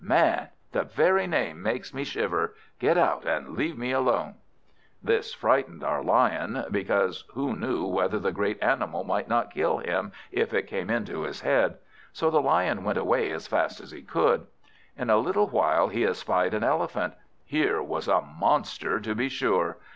Man! the very name makes me shiver. Get out, and leave me alone!" This frightened our Lion, because who knew whether the great animal might not kill him, if it came into his head, so the Lion went away as fast as he could. In a little while, he espied an Elephant. Here was a monster, to be sure!